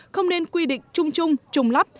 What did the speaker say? không nên quy định trung trung trùng lắp